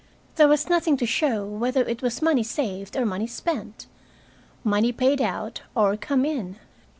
There was nothing to show whether it was money saved or money spent, money paid out or come in.